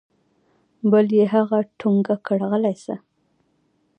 بل يې هغه ټونګه کړ غلى سه.